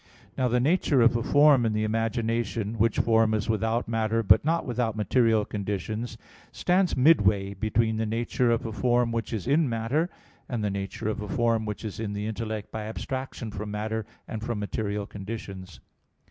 Now the nature of a form in the imagination, which form is without matter but not without material conditions, stands midway between the nature of a form which is in matter, and the nature of a form which is in the intellect by abstraction from matter and from material conditions.